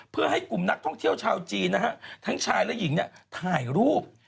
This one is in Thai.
เพื่อให้กลุ่มนักท่องเที่ยวชาวจีนนะฮะทั้งชายและหญิงถ่ายรูป